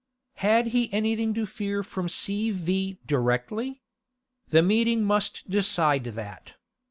Had he anything to fear from 'C. V.' directly? The meeting must decide that.